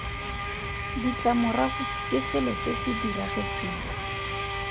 Ditlamorago ke selo se se diragetseng.